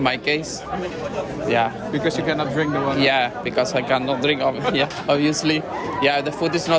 makanan bukan masalah untuk saya